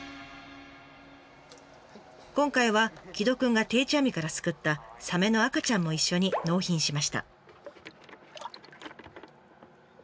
今回は城戸くんが定置網から救ったサメの赤ちゃんも一緒に納品しました。